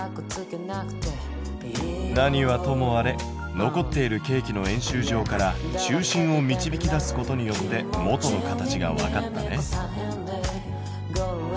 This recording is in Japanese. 何はともあれ残っているケーキの円周上から中心を導き出すことによって元の形がわかったね。